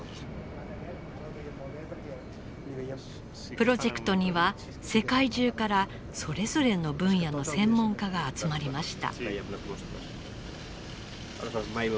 プロジェクトには世界中からそれぞれの分野の専門家が集まりました。